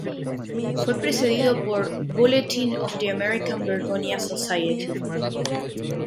Fue precedido por "Bulletin of the American Begonia Society"